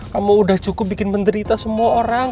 kamu udah cukup bikin menderita semua orang